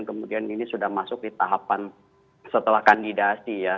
kemudian ini sudah masuk di tahapan setelah kandidasi ya